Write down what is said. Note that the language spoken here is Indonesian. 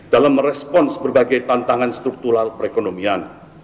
dalam merespons berbagai tantangan struktural perekonomian